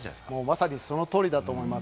まさにその通りだと思います。